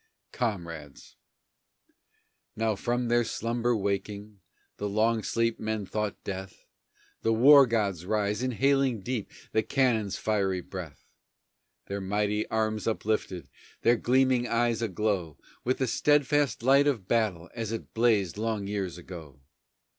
COMRADES Now from their slumber waking, The long sleep men thought death The War Gods rise, inhaling deep The cannon's fiery breath! Their mighty arms uplifted, Their gleaming eyes aglow With the steadfast light of battle, As it blazed long years ago!